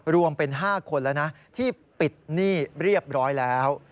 รวมเป็น๕คนแล้วนะที่ปิดหนี้เรียบร้อยแล้ว